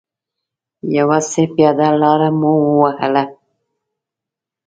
یو څه پیاده لاره مو و وهله.